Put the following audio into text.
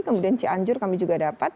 kemudian cianjur kami juga dapat